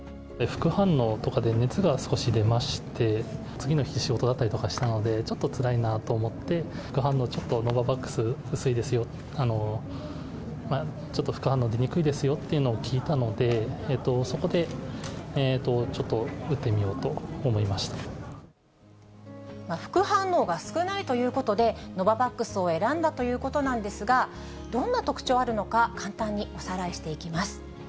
副反応とかで熱が少し出まして、次の日、仕事だったりとかしたので、ちょっとつらいなと思って、副反応、ちょっとノババックス薄いですよ、ちょっと副反応出にくいですよというのを聞いたので、そこでちょっと、副反応が少ないということで、ノババックスを選んだということなんですが、どんな特徴があるのか、簡単におさらいしていきます。